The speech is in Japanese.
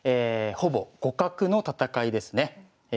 ほぼ互角の戦いですね。